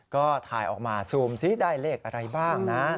ก็ถ่ายออกมาซูมซิได้เลขอะไรบ้างนะ